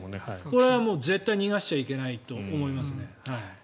これはもう絶対に逃がしちゃいけないと思いますね。